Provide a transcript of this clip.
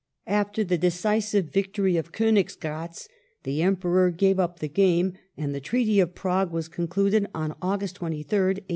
After the decisive victory of Koniggratz, the Emperor gave up the game, and the Treaty of Prague was concluded on August 23rd, 1866.